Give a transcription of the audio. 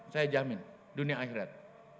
saya jamin dunia akhirat